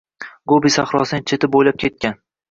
Gobi sahrosining cheti boʻylab ketgan.